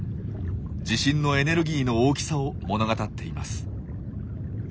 地震のエネルギーの大きさを物語っています。